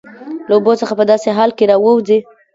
له اوبو څخه په داسې حال کې راوځي